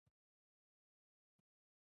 افغانستان د ښارونو په اړه علمي څېړنې لري.